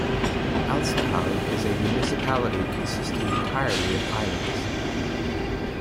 Alstahaug is a municipality consisting entirely of islands.